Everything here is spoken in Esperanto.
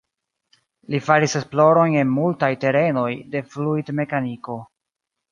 Li faris esplorojn en multaj terenoj de fluidmekaniko.